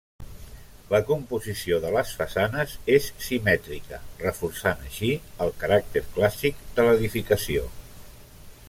La composició de les façanes és simètrica, reforçant així el caràcter clàssic de l'edificació.